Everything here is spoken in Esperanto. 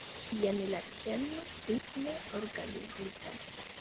Jen la kerno: ritme organizita.